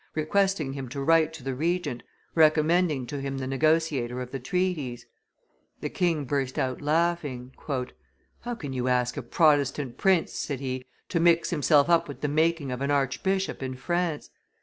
requesting him to write to the Regent, recommending to him the negotiator of the treaties. The king burst out laughing. "How can you ask a Protestant prince," said he, "to mix himself up with the making of an archbishop in France?